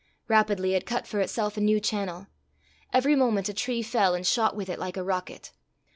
Rapidly it cut for itself a new channel. Every moment a tree fell and shot with it like a rocket.